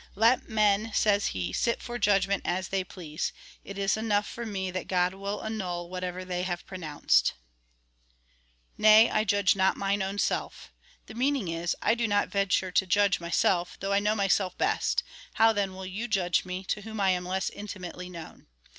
" Let men," says he, " sit for judgment as they please : it is enough for me that God will annul whatever they have pronounced." Nay, I judge not mine own self. The meaning is :" I do not venture to judge myself, though I know myself best ; how then will you judge me, to whom I am less intimately known